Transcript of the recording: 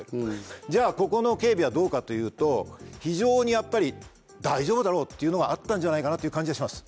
じゃあここの警備はどうかというと非常にやっぱり「大丈夫だろう」というのがあったんじゃないかなという感じがします。